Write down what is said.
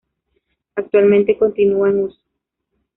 Actualmente continúa en uso.